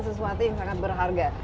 sesuatu yang sangat berharga